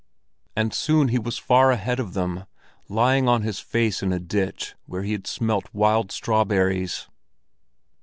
And soon he was far ahead of them, lying on his face in a ditch where he had smelt wild strawberries.